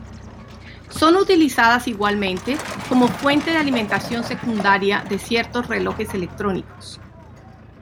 Son utilizadas igualmente como fuente de alimentación secundaria de ciertos relojes electrónicos.